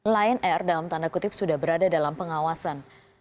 lion air dalam tanda kutip sudah berada dalam pengawasan